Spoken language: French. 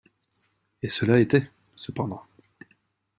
Et cela était, cependant!